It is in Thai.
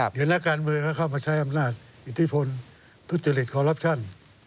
หยุดนาการเมือเขาก็เข้ามาใช้อำนาจอิทธิพลทุศจิลิดคอลรับชัน